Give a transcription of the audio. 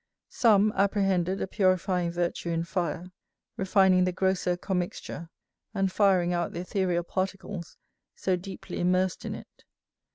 Some apprehended a purifying virtue in fire, refining the grosser commixture, and firing out the æthereal particles so deeply immersed in it.